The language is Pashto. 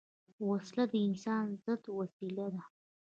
وسله د انسان ضد وسیله ده